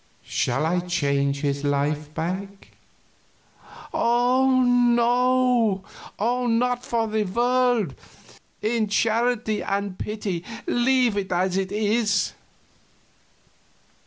Shall I change his life back?" "Oh no! Oh, not for the world! In charity and pity leave it as it is."